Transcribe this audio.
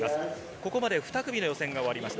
ここまで２組の予選が終わりました。